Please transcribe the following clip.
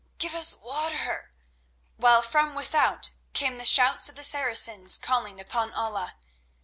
Give us water!" while from without came the shouts of the Saracens calling upon Allah.